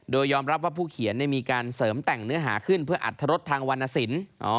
โดยยอมรับว่าผู้เขียนมีการเสริมแต่งเนื้อหาขึ้นเพื่ออัตรสทางวรรณสิน